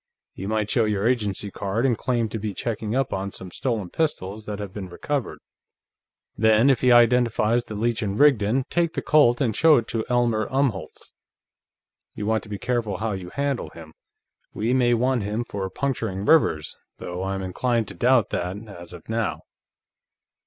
You might show your Agency card and claim to be checking up on some stolen pistols that have been recovered. Then, if he identifies the Leech & Rigdon, take the Colt and show it to Elmer Umholtz. You want to be careful how you handle him; we may want him for puncturing Rivers, though I'm inclined to doubt that, as of now.